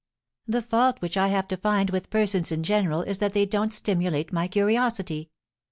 The fault which I have to find with persons in general is that they don't stimulate my curiosity.